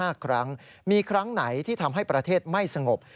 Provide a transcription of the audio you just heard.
ครั้งมีครั้งไหนที่ทำให้ประเทศไม่สงบ